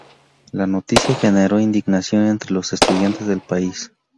La noticia generó indignación entre los estudiantes del país.